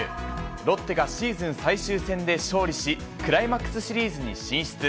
ロッテがシーズン最終戦で勝利し、クライマックスシリーズに進出。